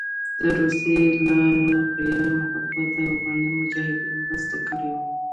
د روسي يلغار مخالفت او افغاني مجاهدينو مرسته کړې وه